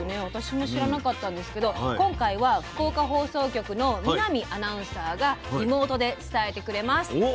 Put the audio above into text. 私も知らなかったんですけど今回は福岡放送局の見浪アナウンサーがリモートで伝えてくれます。